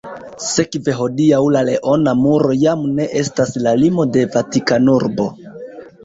Sekve hodiaŭ la leona muro jam ne estas la limo de Vatikanurbo.